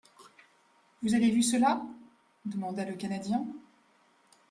—Vous avez vu cela ? demanda le Canadien.